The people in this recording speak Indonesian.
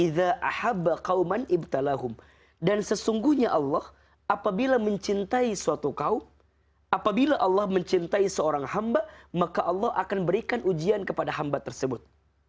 dan sesungguhnya allah apabila mencintai suatu kaum apabila allah mencintai seorang hamba maka allah akan berikan ujian kepada hamba tersebut